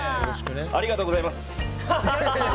ありがとうございます。